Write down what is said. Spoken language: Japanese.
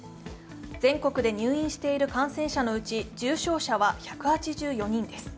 全国で入院している感染者のうち重症者は１８４人です。